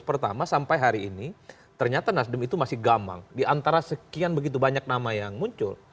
pertama sampai hari ini ternyata nasdem itu masih gamang diantara sekian begitu banyak nama yang muncul